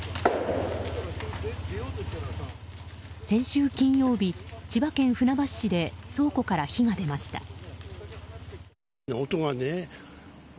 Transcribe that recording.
先週金曜日、千葉県船橋市で倉庫から火が出ました。